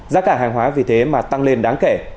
giá cả hàng hóa vì thế mà tăng lên đáng kể